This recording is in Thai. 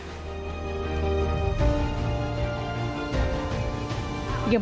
ทำให้รู้สึกว่าเพราะเหตุใดโชคชะตาถึงไม่เข้าข้างคนจนอย่างเขาบ้าง